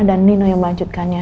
dan nino yang melanjutkannya